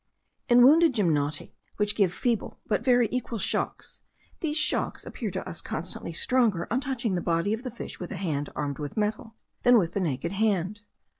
In wounded gymnoti, which give feeble but very equal shocks, these shocks appeared to us constantly stronger on touching the body of the fish with a hand armed with metal, than with the naked hand.